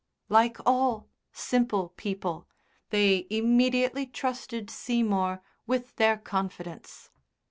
Like all simple people, they immediately trusted Seymour with their confidence.